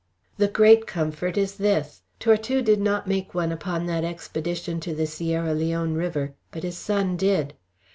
"The great comfort is this. Tortue did not make one upon that expedition to the Sierra Leone River, but his son did.